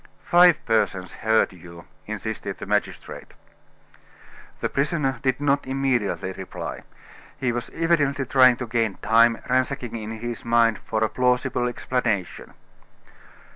"Five persons heard you," insisted the magistrate. The prisoner did not immediately reply. He was evidently trying to gain time, ransacking in his mind for a plausible explanation.